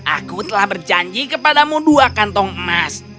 aku telah berjanji kepadamu dua kantong emas